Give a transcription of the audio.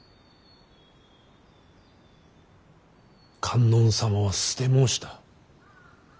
観音様は捨て申した。